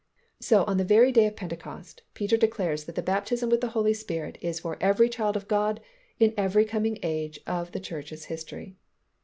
So on the very day of Pentecost, Peter declares that the baptism with the Holy Spirit is for every child of God in every coming age of the church's history.